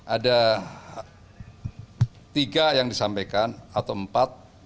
ada tiga yang disampaikan atau empat